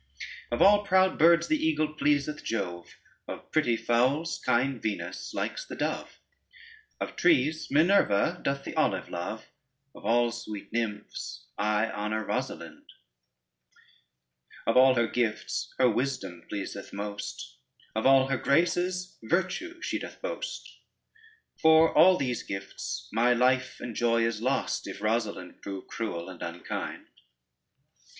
Of all proud birds the eagle pleaseth Jove, Of pretty fowls kind Venus likes the dove, Of trees Minerva doth the olive love, Of all sweet nymphs I honor Rosalynde. Of all her gifts her wisdom pleaseth most, Of all her graces virtue she doth boast: For all these gifts my life and joy is lost, If Rosalynde prove cruel and unkind.